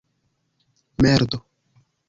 merdo